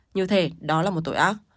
như thế đó là một tội ác